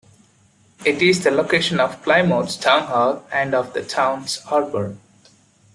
It is the location of Plymouth's town hall and of the town harbor.